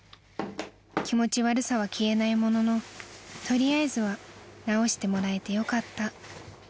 ［気持ち悪さは消えないものの取りあえずは直してもらえてよかった］